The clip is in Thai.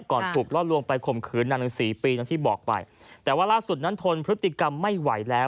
ถูกล่อลวงไปข่มขืนนางหนังสือปีอย่างที่บอกไปแต่ว่าล่าสุดนั้นทนพฤติกรรมไม่ไหวแล้ว